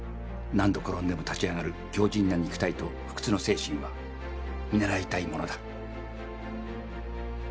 何度転んでも立ち上がる強じんな肉体と不屈の精神は見習いたいものだ。